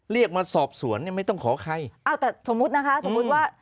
เรียกมาสอบสวนเนี่ยไม่ต้องขอใครอ้าวแต่สมมุตินะคะสมมุติว่า